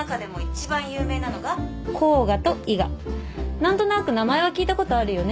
何となく名前は聞いたことあるよね？